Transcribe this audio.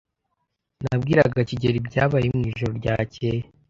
Nabwiraga kigeli ibyabaye mwijoro ryakeye.